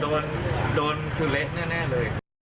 โดนคือเละแน่เลย